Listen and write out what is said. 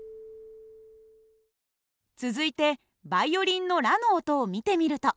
続いてバイオリンのラの音を見てみると。